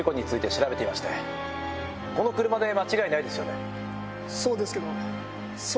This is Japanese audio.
この車で間違いないですよね？